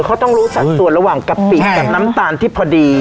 เขาต้องรู้สัดส่วนระหว่างกะปิกับน้ำตาลที่พอดี